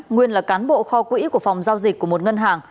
nguyên là cán bộ kho quỹ của phòng giao dịch của một ngân hàng